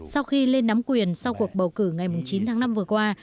sau khi lên nắm quyền sau cuộc bầu cử ngày chín tháng năm vừa qua